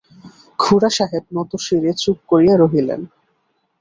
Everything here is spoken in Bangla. খুড়াসাহেব নতশিরে চুপ করিয়া রহিলেন।